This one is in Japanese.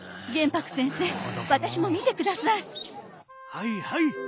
はいはい！